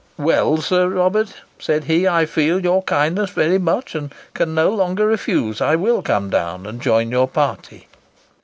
"Well, Sir Robert," said he, "I feel your kindness very much, and can no longer refuse: I will come down and join your party."